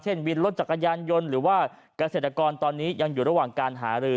วินรถจักรยานยนต์หรือว่าเกษตรกรตอนนี้ยังอยู่ระหว่างการหารือ